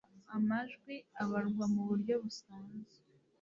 amajwi abarwa mu buryo busanzwe